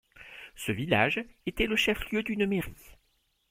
Ce village était le chef-lieu d'une mairie.